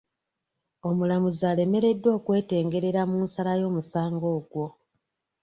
Omulamuzi alemereddwa okwetengerera mu nsala y'omusango ogwo.